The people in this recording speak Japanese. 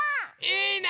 いいね！